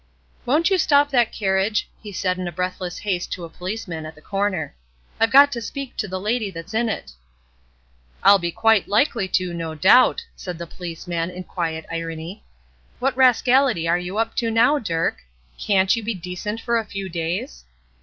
"Won't you stop that carriage?" he said in breathless haste to a policeman at the corner; "I've got to speak to the lady that's in it." "I'll be quite likely to, no doubt!" said the policeman, in quiet irony. "What rascality are you up to now, Dirk? Can't you be decent for a few days?"